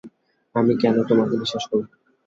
আমি কেন তোমাকে বিশ্বাস করব?